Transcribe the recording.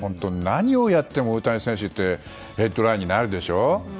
何をやっても大谷選手ってヘッドラインになるでしょ。